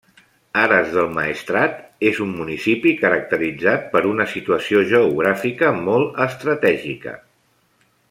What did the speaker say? Ares del Maestrat és un municipi caracteritzat per una situació geogràfica molt estratègica.